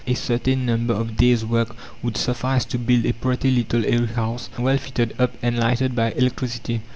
A certain number of days' work would suffice to build a pretty little airy house, well fitted up and lighted by electricity.